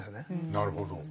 なるほど。